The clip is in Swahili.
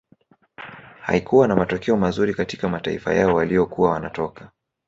Haikuwa na matokeo mazuri katika mataifa yao waliyokuwa wanatoka